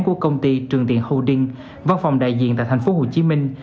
của công ty trường tiện holding văn phòng đại diện tại thành phố hồ chí minh